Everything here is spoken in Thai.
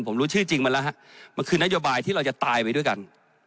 ผมรู้ชื่อจริงมาแล้วฮะมันคือนโยบายที่เราจะตายไปด้วยกัน